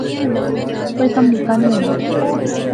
کوئی کم نکا نی ہونا